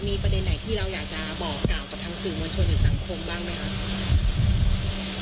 มีประเด็นไหนที่เราอยากจะบอกกล่าวกับทางสื่อมวลชนหรือสังคมบ้างไหมคะ